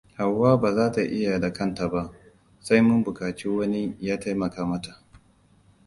Hauwa baza ta iya da kanta ba, sai mun bukaci wani ya taimaka mata.